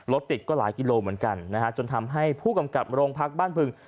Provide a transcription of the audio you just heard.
รถติดก็หลายกิโลเหมือนกันนะฮะจนทำให้ผู้กำกับโรงพักบ้านพึง